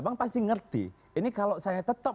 bang pasti ngerti ini kalau saya tetap